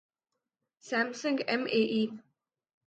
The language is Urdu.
Samsung M A E